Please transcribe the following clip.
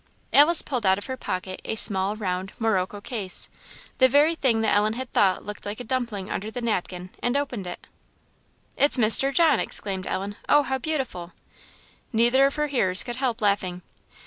Alice pulled out of her pocket a small, round, morocco case, the very thing that Ellen had thought looked like a dumpling under the napkin, and opened it. "It's Mr. John!" exclaimed Ellen. "Oh, how beautiful!" Neither of her hearers could help laughing.